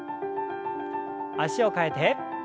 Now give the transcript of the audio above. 脚を替えて。